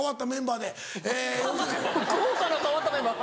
豪華な変わったメンバー。